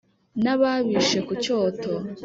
N'ababishe ku cyoto,